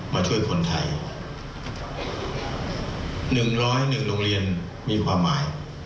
มาช่วยคนไทย๑๐๑โรงเรียนมีความหมาย